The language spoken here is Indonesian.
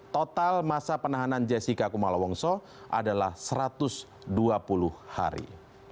total masa penahanan jessica kumala wongso adalah satu ratus dua puluh hari